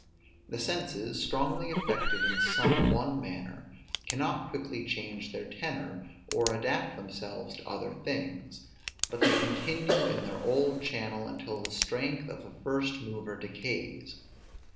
The senses, strongly affected in some one manner, cannot quickly change their tenor, or adapt themselves to other things; but they continue in their old channel until the strength of the first mover decays.